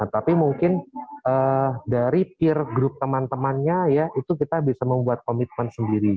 tapi mungkin dari peer group teman temannya ya itu kita bisa membuat komitmen sendiri